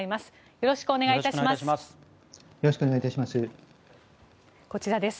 よろしくお願いします。